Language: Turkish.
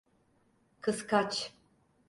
Kıskaç.